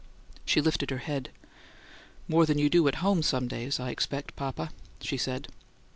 She lifted her head. "More than you do at home 'some days,' I expect, papa!" she said.